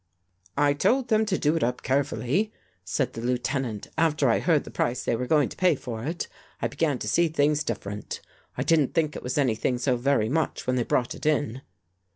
"I told them to do it up carefully," said the 85 THE GHOST GIRL Lieutenant. " After I heard the price they were going to pay for it, I began to see things different. I didn't think it was anything so very much when they brought it in."